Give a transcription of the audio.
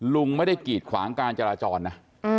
ลุงไม่ได้กีดขวางการจราจรนะ